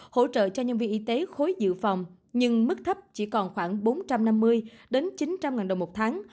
hỗ trợ cho nhân viên y tế khối dự phòng nhưng mức thấp chỉ còn khoảng bốn trăm năm mươi chín trăm linh đồng một tháng